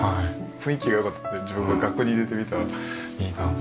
雰囲気が良かったので自分で額に入れてみたらいいなって。